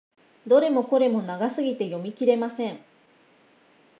どれもこれも長すぎて読み切れません。